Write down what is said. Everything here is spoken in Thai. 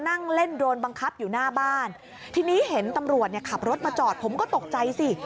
นั่งเล่นโดรนบังคับอยู่หน้าบ้านทีนี้เห็นตำรวจเนี่ยขับรถมาจอดผมก็ตกใจสิ